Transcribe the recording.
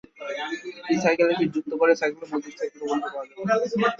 ই সাইকেলের কিট যুক্ত করে সাইকেলকে বৈদ্যুতিক সাইকেলে রূপান্তর করা যাবে।